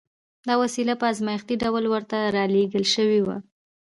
دا وسیله په ازمایښتي ډول ورته را لېږل شوې وه